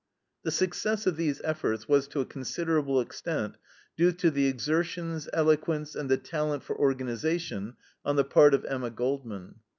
The success of these efforts was to a considerable extent due to the exertions, eloquence, and the talent for organization on the part of Emma Goldman.